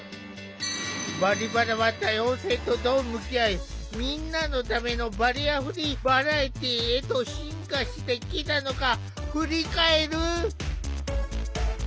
「バリバラ」は多様性とどう向き合い「みんなのためのバリアフリーバラエティー」へと進化してきたのか振り返る！